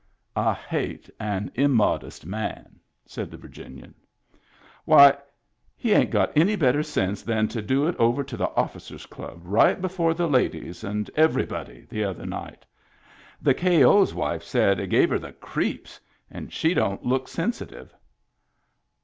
" I hate an immodest man," said the Virginian. •* Why, he hadn't any better sense than to do it over to the officers' club right before the ladies and everybody the other night. The K. O.'s wife said it gave her the creeps — and she don't look sensitive."